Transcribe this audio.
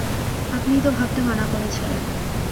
আপনিই তো ভাবতে মানা করেছিলেন!